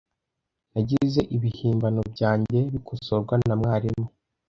Nagize ibihimbano byanjye bikosorwa na mwarimu.